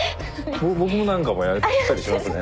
僕も何かやったりしますね。